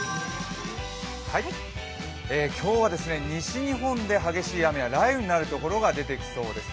今日は西日本で激しい雨や雷雨になるところが出てきそうです。